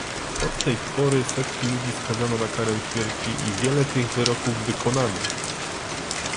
Od tej pory setki ludzi skazano na karę śmierci i wiele tych wyroków wykonano